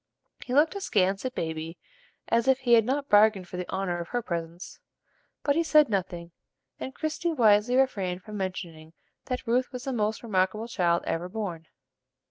He looked askance at Baby, as if he had not bargained for the honor of her presence; but he said nothing, and Christie wisely refrained from mentioning that Ruth was the most remarkable child ever born.